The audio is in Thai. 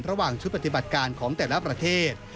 ระหว่างชุดปฏิบัติการของแต่ละประเทศ